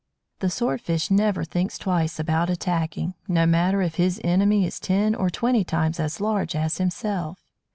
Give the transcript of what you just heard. The Sword fish never thinks twice about attacking, no matter if his enemy is ten or twenty times as large as himself.